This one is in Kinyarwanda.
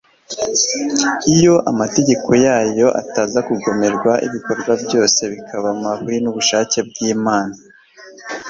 iyo amategeko yayo ataza kugomerwa, ibikorwa byose bikaba mahwi n'ubushake bw'imana